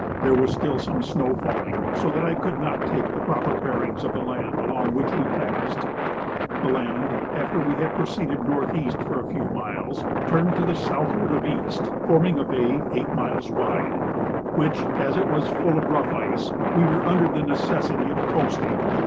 There was still some snow falling, so that I could not take the proper bearings of the land along which we passed. The land, after we had proceeded N.E. for a few miles, turned to the southward of east, forming a bay eight miles wide, which, as it was full of rough ice, we were under the necessity of coasting.